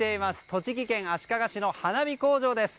栃木県足利市の花火工場です。